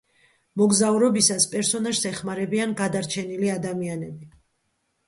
მოგზაურობისას პერსონაჟს ეხმარებიან გადარჩენილი ადამიანები.